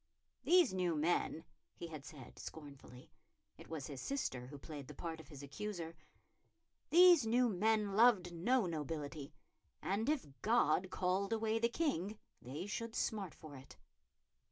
"These new men," he had said scornfully it was his sister who played the part of his accuser "these new men loved no nobility, and if God called away the King they should smart for it."